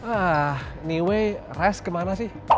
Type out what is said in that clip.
ah anyway rest kemana sih